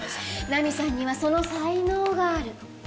ナミさんにはその才能がある。